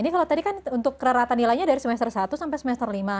ini kalau tadi kan untuk rata nilainya dari semester satu sampai semester lima